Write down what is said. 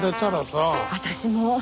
私も。